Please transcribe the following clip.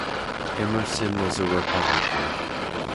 Emerson was a Republican.